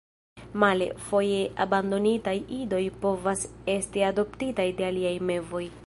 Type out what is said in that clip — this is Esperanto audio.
Male, foje abandonitaj idoj povas esti adoptitaj de aliaj mevoj.